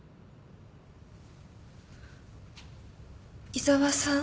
井沢さん？